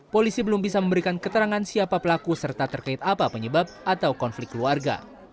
polisi belum bisa memberikan keterangan siapa pelaku serta terkait apa penyebab atau konflik keluarga